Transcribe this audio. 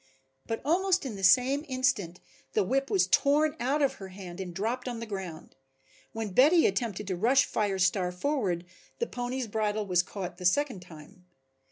But almost in the same instant the whip was torn out of her hand and dropped on the ground. When Betty attempted to rush Fire Star forward the pony's bridle was caught the second time.